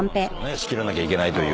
仕切らなきゃいけないという。